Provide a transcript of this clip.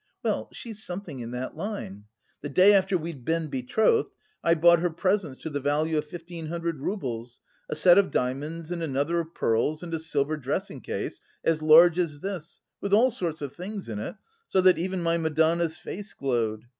Well, she's something in that line. The day after we'd been betrothed, I bought her presents to the value of fifteen hundred roubles a set of diamonds and another of pearls and a silver dressing case as large as this, with all sorts of things in it, so that even my Madonna's face glowed.